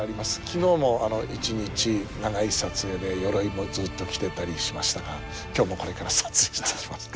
昨日も一日長い撮影で鎧もずっと着てたりしましたが今日もこれから撮影いたします。